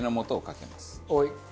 はい。